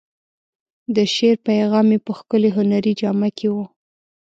د شعر پیغام یې په ښکلې هنري جامه کې و.